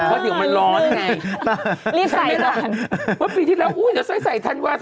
เออแล้วนึกไงรีบใส่ก่อนว่าปีที่แล้วอุ๊ยเดี๋ยวใส่ธันวาล